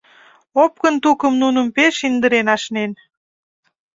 Опкын тукым нуным пеш индырен ашнен.